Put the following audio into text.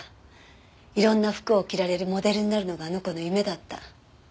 いろんな服を着られるモデルになるのがあの子の夢だった。